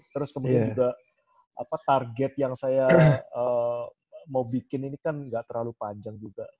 terus kemudian juga target yang saya mau bikin ini kan gak terlalu panjang juga